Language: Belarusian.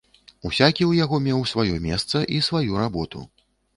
Усякі ў яго меў сваё месца і сваю работу.